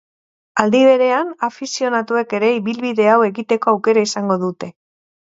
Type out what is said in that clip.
Aldi berean, afizionatuek ere ibilbide hau egiteko aukera izango dute.